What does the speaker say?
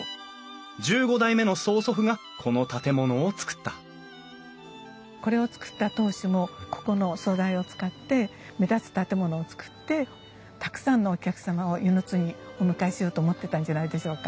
１５代目の曽祖父がこの建物をつくったこれをつくった当主もここの素材を使って目立つ建物をつくってたくさんのお客様を温泉津にお迎えしようと思ってたんじゃないでしょうか。